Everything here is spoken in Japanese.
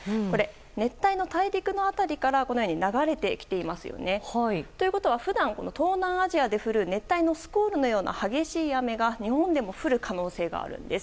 熱帯の大陸の辺りから流れてきていますね。ということは普段東南アジアで降る熱帯のスコールのような激しい雨が日本でも降る可能性があるんです。